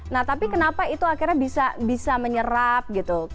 nah tapi kenapa itu akhirnya bisa menyerap gitu